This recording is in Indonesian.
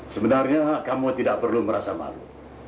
sebenarnya kamu tidak perlu merasa malu